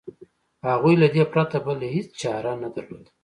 هغوی له دې پرته بله هېڅ چاره نه درلوده.